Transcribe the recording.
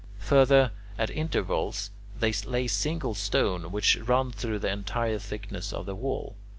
Further, at intervals they lay single stones which run through the entire thickness of the wall.